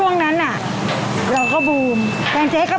เปิดตั้งแต่๑๙๓๐ถึง๑๗๐๐แต่บอกนิดนึงกะชิมบอกนี่เลยว่า